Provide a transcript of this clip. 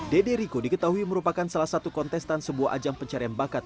dede riko diketahui merupakan salah satu kontestan sebuah ajang pencarian bakat